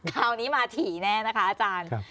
คราวนี้มาถี่แน่นะคะอาจารย์